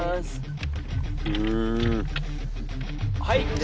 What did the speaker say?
はい。